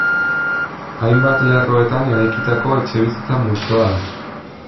Hainbat lerroetan eraikitako etxebizitza multzoa da.